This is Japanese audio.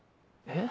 え？